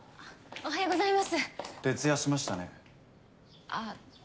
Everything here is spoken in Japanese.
おはようございま。